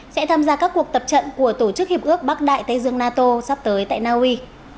sẽ tham gia các cuộc tập trận của tổ chức hiệp ước bắc đại tây dương nato sắp tới tại naui